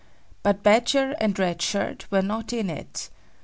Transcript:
But Badger and Red Shirt were not in it.